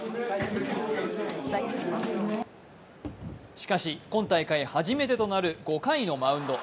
しかし、今大会初めてとなる５回のマウンド。